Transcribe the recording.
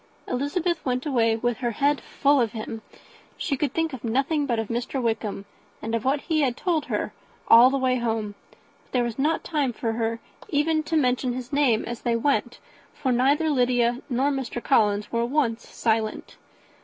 Elizabeth went away with her head full of him. She could think of nothing but of Mr. Wickham, and of what he had told her, all the way home; but there was not time for her even to mention his name as they went, for neither Lydia nor Mr. Collins were once silent.